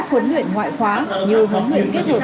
huấn luyện ngoại khóa như huấn luyện kết hợp